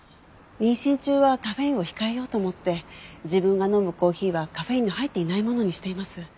妊娠中はカフェインを控えようと思って自分が飲むコーヒーはカフェインの入っていないものにしています。